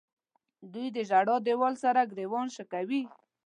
دوی د ژړا دیوال سره ګریوان شکوي.